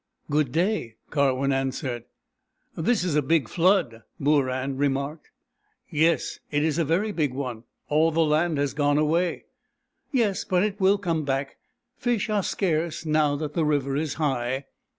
" Good day," Karwin answered. " This is a big flood," Booran remarked. " Yes, it is a very big one. All the land has gone away." " Yes, but it will come back. Fish are scarce, now that the river is high."